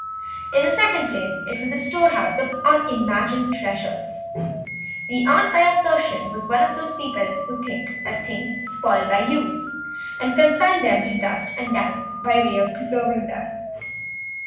In the second place it was a storehouse of unimagined treasures. The aunt by assertion was one of those people who think that things spoil by use and consign them to dust and damp by way of preserving them.